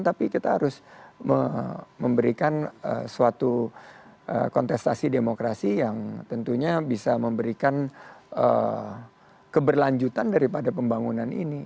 tapi kita harus memberikan suatu kontestasi demokrasi yang tentunya bisa memberikan keberlanjutan daripada pembangunan ini